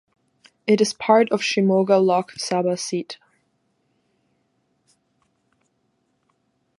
It is part of Shimoga Lok Sabha seat.